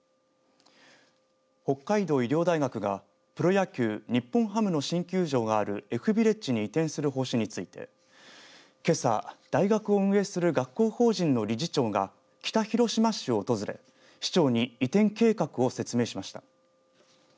北海道医療大学がプロ野球日本ハムの新球場があるＦビレッジに移転する方針についてけさ、大学を運営する学校法人の理事長が北広島市を訪れ市長に移転計画を説明しました。